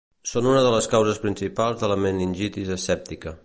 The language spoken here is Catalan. Són una de les causes principals de la meningitis asèptica.